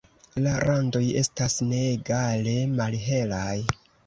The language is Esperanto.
La randoj estas neegale malhelaj.